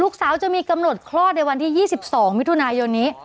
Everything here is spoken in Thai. จะมีกำหนดคลอดในวันที่๒๒มิถุนายนนี้